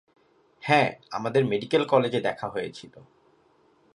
হ্যাঁ, আমাদের মেডিকেল কলেজে দেখা হয়েছিলো।